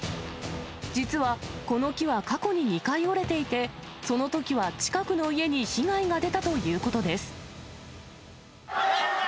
実は、この木は過去に２回折れていて、そのときは近くの家に被害が出たということです。